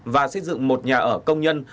và xây dựng một nhà ở công nhân